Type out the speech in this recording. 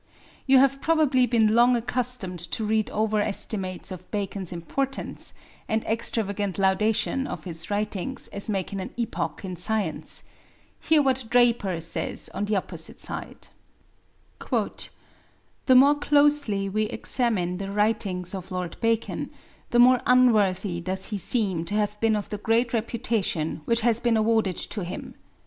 You have probably been long accustomed to read over estimates of Bacon's importance, and extravagant laudation of his writings as making an epoch in science; hear what Draper says on the opposite side: "The more closely we examine the writings of Lord Bacon, the more unworthy does he seem to have been of the great reputation which has been awarded to him.